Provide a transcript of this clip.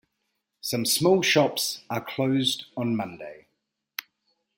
Some small shops are closed on Monday.